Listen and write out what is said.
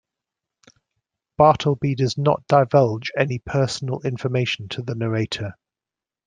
Bartleby does not divulge any personal information to the narrator.